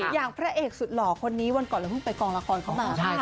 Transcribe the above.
อย่างพระเอกสุดหล่อคนนี้วันก่อนเราเพิ่งไปกองละครเขามา